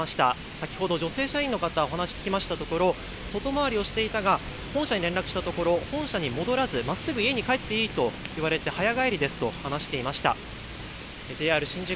先ほど女性社員の方、お話を聞きましたところ外回りをしていたが本社に連絡したところ本社に戻らずまっすぐ家に帰っていいと言われて早帰りですと話していました。